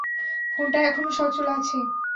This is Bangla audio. ফোনটা এখনও সচল আছে!